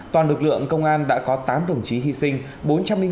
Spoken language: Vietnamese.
toàn lực lượng công an đã có tám đồng chí hy sinh